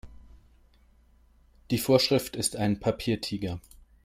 Die Vorschrift ist ein Papiertiger.